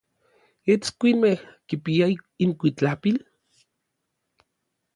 ¿Itskuinmej kipiaj inkuitlapil?